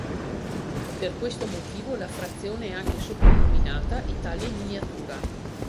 Per questo motivo la frazione è anche soprannominata "Italia in miniatura".